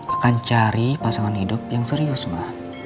akan cari pasangan hidup yang serius mbak